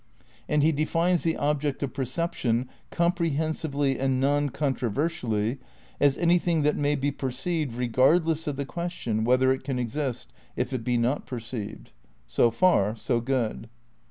And he defines the object of percep tion comprehensively and non controversially as "any thing that may be perceived regardless of the question whether it can exist if it be not perceived." ^ So far, so good.